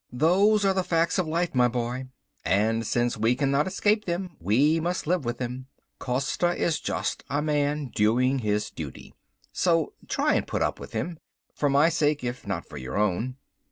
"Those are the facts of life my boy. And since we cannot escape them, we must live with them. Costa is just a man doing his duty. So try and put up with him. For my sake if not for your own."